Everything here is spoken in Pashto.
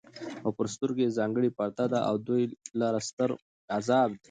او پر سترگو ئې ځانگړې پرده ده او دوى لره ستر عذاب دی